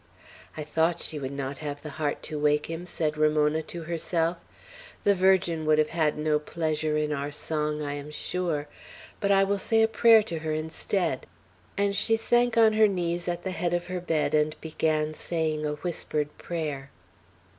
"I thought she would not have the heart to wake him," said Ramona to herself. "The Virgin would have had no pleasure in our song, I am sure; but I will say a prayer to her instead;" and she sank on her knees at the head of her bed, and began saying a whispered prayer.